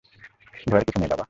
ভয়ের কিছু নেই, বাবা!